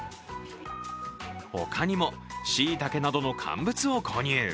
他にも、しいたけなどの乾物を購入。